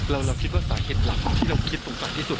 แล้วเราคิดว่าสาเหตุรักษณ์ที่เราคิดตรงต่างที่สุด